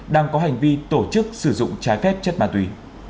đang có hành vi tổ chức sử dụng trái phép chất ma túy